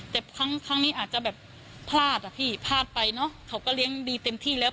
แต่ครั้งนี้อาจจะพลาดพลาดไปเขาก็เลี้ยงดีเต็มที่แล้ว